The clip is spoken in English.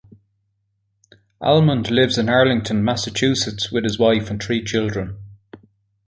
Almond lives in Arlington, Massachusetts with his wife and three children.